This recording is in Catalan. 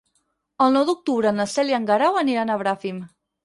El nou d'octubre na Cel i en Guerau aniran a Bràfim.